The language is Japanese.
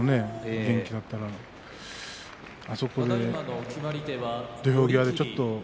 元気だったらあそこで土俵際でちょっとね。